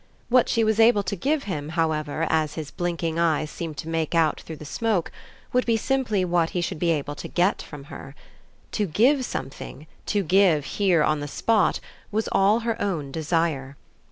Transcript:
What she was able to give him, however, as his blinking eyes seemed to make out through the smoke, would be simply what he should be able to get from her. To give something, to give here on the spot, was all her own desire.